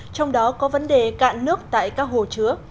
trong đó có vấn đề cạn nước tại các hồ chứa